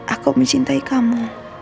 aku mencintai kamu